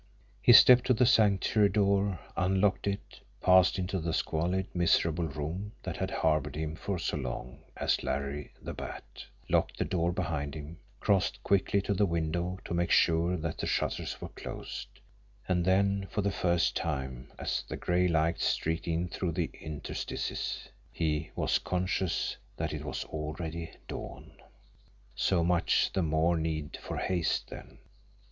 He stepped to the Sanctuary door, unlocked it, passed into the squalid, miserable room that had harboured him for so long as Larry the Bat, locked the door behind him, crossed quickly to the window to make sure that the shutters were closed and then, for the first time, as the gray light streaked in through the interstices, he was conscious that it was already dawn. So much the more need for haste then!